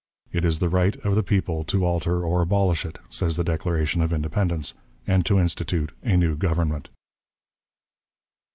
"It is the right of the people to alter or abolish it," says the Declaration of Independence, "and to institute a new government."